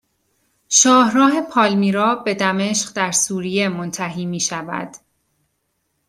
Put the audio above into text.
شاهراه پالمیرا به دمشق در سوریه منتهی میشود